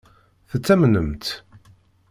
Tettamnem-tt?